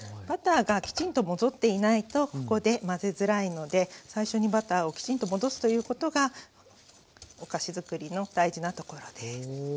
バターがきちんと戻っていないとここで混ぜづらいので最初にバターをきちんと戻すということがお菓子づくりの大事なところです。